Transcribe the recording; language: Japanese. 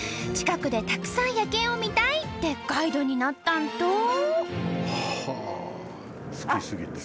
近くでたくさん夜景を見たい！ってガイドになったんと！